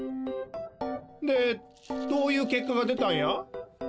でどういうけっかが出たんや？